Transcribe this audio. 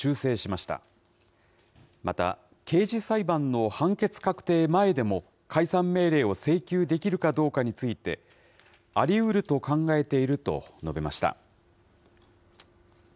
また、刑事裁判の判決確定前でも、解散命令を請求できるかどうかについて、ありうると考えていると述べました。